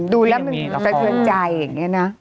ดูแล้วมันสะเทือนใจอย่างนี้นะ